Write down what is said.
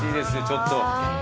ちょっと。